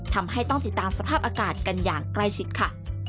ทำให้ต้องติดตามสภาพอากาศกันอย่างใกล้ชิดค่ะ